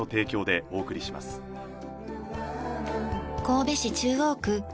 神戸市中央区。